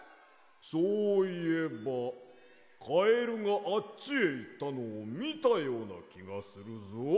そういえばカエルがあっちへいったのをみたようなきがするぞ。